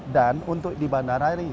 dan untuk di bandara ini